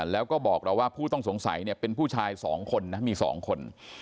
แล้วก็บอกเราว่าผู้ต้องสงสัยเนี่ยเป็นผู้ชาย๒คนนะมี๒คน